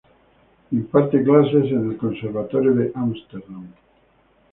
Imparte clases en el Conservatorio de Ámsterdam.